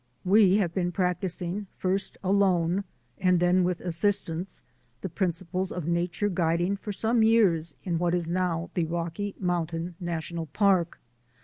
We have been practising, first alone then with assistance, the principles of nature guiding for some years in what is now the Rocky Mountain National Park.